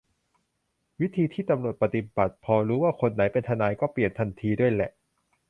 วิธีที่ตำรวจปฏิบัติพอรู้ว่าคนไหนเป็นทนายก็เปลี่ยนทันทีด้วยแหละ